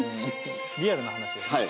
リアルな話ですね。